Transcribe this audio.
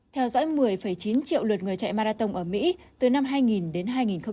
theo dõi một mươi chín triệu lượt người chạy marathon ở mỹ từ năm hai nghìn đến hai nghìn một mươi tám